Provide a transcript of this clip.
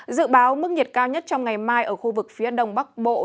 dự báo mức nhiệt cao nhất trong ngày mai ở khu vực phía đông bắc bộ